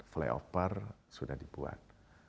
fly off per sudah dibuat